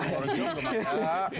orang jawa belum ada